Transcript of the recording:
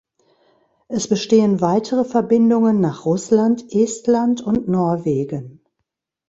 Es bestehen weitere Verbindungen nach Russland, Estland und Norwegen.